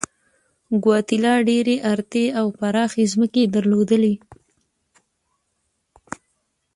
ګواتیلا ډېرې ارتې او پراخې ځمکې درلودلې.